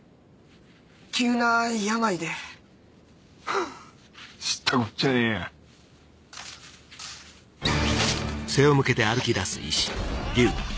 急な病ではっ知ったこっちゃねぇやアァッ！